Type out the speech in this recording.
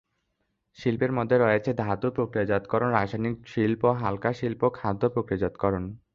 শিল্পের মধ্যে রয়েছে ধাতু প্রক্রিয়াজাতকরণ, রাসায়নিক শিল্প, হালকা শিল্প, খাদ্য প্রক্রিয়াজাতকরণ।